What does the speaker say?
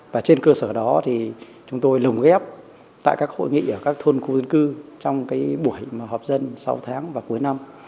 và trên cơ sở đó thì chúng tôi lồng ghép tại các hội nghị ở các thôn khu dân cư trong buổi họp dân sáu tháng và cuối năm